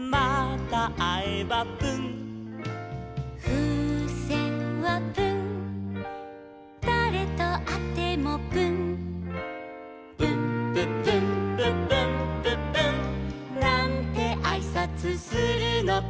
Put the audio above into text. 「ふうせんはプンだれとあってもプン」「プンプンプンプンプンプンプン」「なんてあいさつするのか」